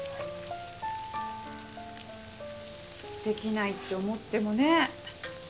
できないって思ってもね